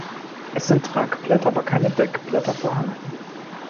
Es sind Tragblätter aber keine Deckblätter vorhanden.